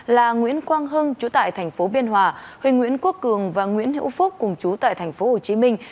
là nguyễn quang hưng chủ tại thành phố biên hòa huỳnh nguyễn quốc cường và nguyễn hữu phúc cùng chú tại thành phố hồ chí minh